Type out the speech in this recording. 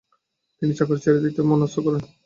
তিনি চাকরি ছেড়ে দিতে মনস্থ করেন।